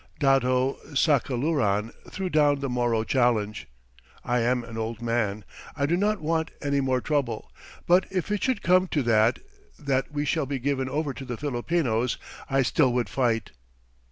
Dato Sacaluran threw down the Moro challenge: "I am an old man. I do not want any more trouble. But if it should come to that, that we shall be given over to the Filipinos, I still would fight."